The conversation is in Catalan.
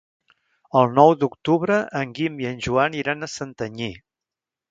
El nou d'octubre en Guim i en Joan iran a Santanyí.